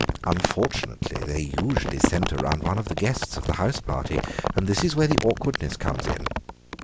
"Unfortunately they usually centre round one of the guests of the house party, and that is where the awkwardness comes in.